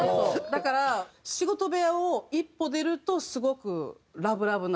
だから仕事部屋を一歩出るとすごくラブラブな２人の空間があって。